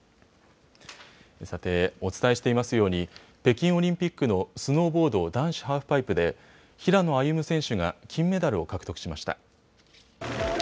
さてお伝えしていますように北京オリンピックのスノーボード男子ハーフパイプで平野歩夢選手が金メダルを獲得しました。